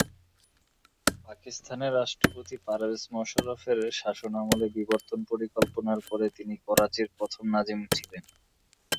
পাকিস্তানে রাষ্ট্রপতি পারভেজ মোশাররফের শাসনামলে বিবর্তন পরিকল্পনার পরে তিনি করাচির প্রথম নাজিম ছিলেন।